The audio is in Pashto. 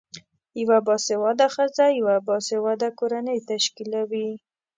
یوه باسیواده خځه یوه باسیواده کورنۍ تشکلوی